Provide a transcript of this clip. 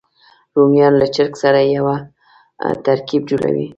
رومیان له چرګ سره یو ترکیب جوړوي